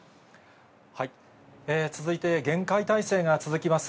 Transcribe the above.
続いて厳戒態勢が続きます